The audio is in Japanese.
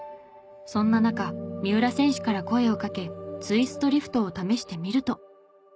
そんな中三浦選手から声をかけツイストリフトを試してみると。